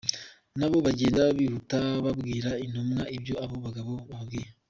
Na bo bagenda bihuta babwira Intumwa ibyo abo bagabo bababwiye.